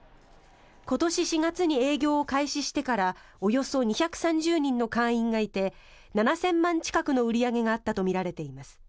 今年４月に営業を開始してからおよそ２３０人の会員がいて７０００万近くの売り上げがあったとみられています。